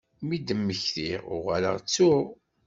Mi d-mmektiɣ uɣaleɣ ttuɣ.